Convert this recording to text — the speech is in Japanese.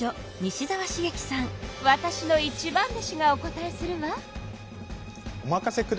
わたしの一番弟子がお答えするわ。